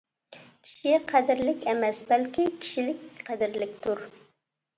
-كىشى قەدىرلىك ئەمەس، بەلكى كىشىلىك قەدىرلىكتۇر.